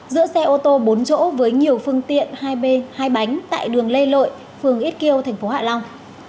giữa xe ô tô bốn chỗ với nhiều phương tiện hai b hai bánh tại đường lê lợi phường ít kiêu thành phố hạ long